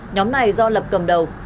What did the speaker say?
nhóm này do lập cầm đầu